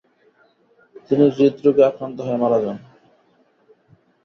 তিনি হৃদরোগে আক্রান্ত হয়ে মারা যান ।